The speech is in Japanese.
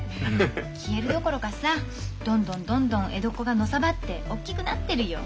消えるどころかさどんどんどんどん江戸っ子がのさばっておっきくなってるよ。